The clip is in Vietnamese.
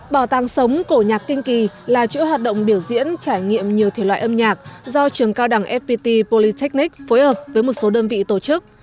bảo tàng sống cổ nhạc kinh kỳ là chữ hoạt động biểu diễn trải nghiệm nhiều thể loại âm nhạc do trường cao đẳng fpt polytechnic phối hợp với một số đơn vị tổ chức